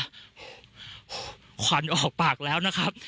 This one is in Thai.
หุ้หุ้ควันออกปากแล้วนะครับ